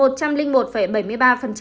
một trăm linh một bảy mươi ba triệu mũi một